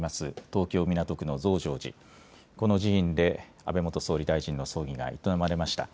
東京港区の増上寺、この寺院で安倍元総理大臣の葬儀が営まれました。